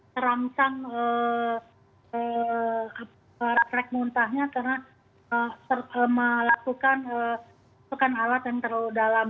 terangsang refleks muntahnya karena melakukan pekan alat yang terlalu dalam